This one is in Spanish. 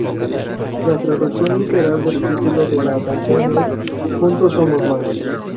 La traducción literal del título de la canción es "Juntos somos más!